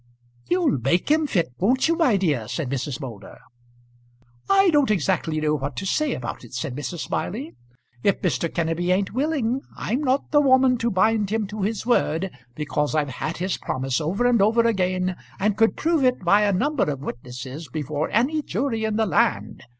"You'll make him fit, won't you, my dear?" said Mrs. Moulder. "I don't exactly know what to say about it," said Mrs. Smiley. "If Mr. Kenneby ain't willing, I'm not the woman to bind him to his word, because I've had his promise over and over again, and could prove it by a number of witnesses before any jury in the land.